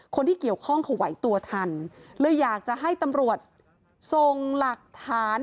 คนที่เกี่ยวข้องเขาไหวตัวทันเลยอยากจะให้ตำรวจส่งหลักฐาน